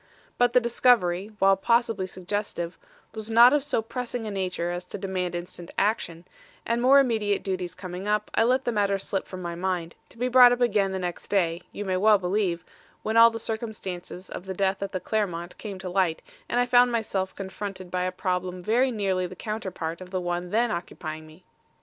"But the discovery, while possibly suggestive, was not of so pressing a nature as to demand instant action; and more immediate duties coming up, I let the matter slip from my mind, to be brought up again the next day, you may well believe, when all the circumstances of the death at the Clermont came to light and I found myself confronted by a problem very nearly the counterpart of the one then occupying me.